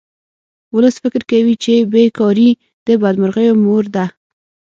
ولس فکر کوي چې بې کاري د بدمرغیو مور ده